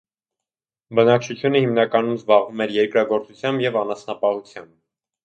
Բնակչությունը հիմնականում զբաղված էր երկրագործությամբ և անասնապահությամբ։